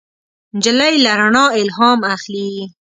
نجلۍ له رڼا الهام اخلي.